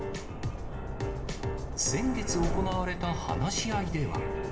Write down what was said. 先月行われた話し合いでは。